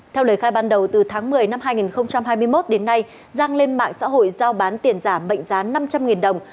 theo lời khai ban đầu từ tháng một mươi năm hai nghìn hai mươi một đến nay giang lên mạng xã hội giao bán tiền giả mệnh giá năm trăm linh đồng